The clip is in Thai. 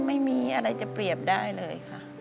ไม่มีอะไรจะเปรียบได้เลยค่ะ